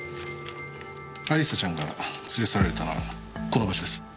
亜里沙ちゃんが連れ去られたのはこの場所です。